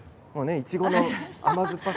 いちごの甘酸っぱさ。